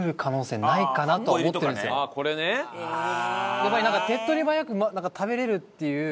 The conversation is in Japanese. やっぱり手っ取り早く食べられるっていう。